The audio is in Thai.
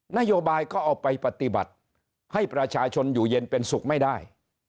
นโยบายก็เอาไปปฏิบัติให้ประชาชนอยู่เย็นเป็นสุขไม่ได้